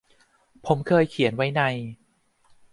ผมเคยเขียนไว้ใน